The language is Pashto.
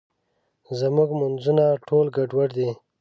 زموږ مونځونه ټول ګډوډ دي.